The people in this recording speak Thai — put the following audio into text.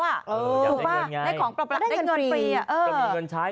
อยากได้เงินไงได้เงินฟรี